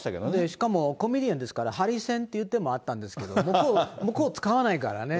しかもコメディアンですから、はりせんっていう手もあったんですけども、向こう、使わないからね。